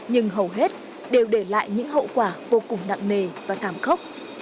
nhưng hầu hết đều để lại những hậu quả vô cùng nặng nề và cảm khốc